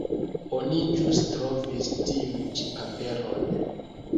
Oni ĵus trovis tiun ĉi paperon.